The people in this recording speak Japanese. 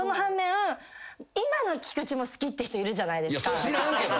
そら知らんけど。